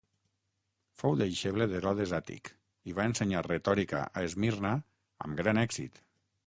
Fou deixeble d'Herodes Àtic i va ensenyar retòrica a Esmirna amb gran èxit.